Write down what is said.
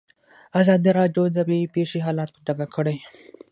ازادي راډیو د طبیعي پېښې حالت په ډاګه کړی.